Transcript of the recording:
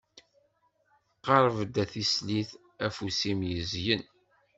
Qerb-d a tislit, afus-im yezyen.